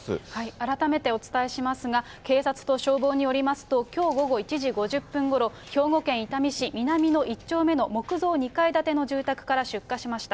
改めてお伝えしますが、警察と消防によりますと、きょう午後１時５０分ごろ、兵庫県伊丹市南野１丁目の木造２階建ての住宅から出火しました。